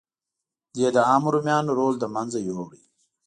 دې د عامو رومیانو رول له منځه یووړ